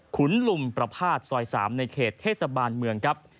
ขุนลุมประพาทซอย๓ในเขตเทศบาลเมืองครับ